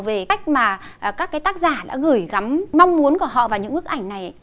về cách mà các cái tác giả đã gửi gắm mong muốn của họ vào những bức ảnh này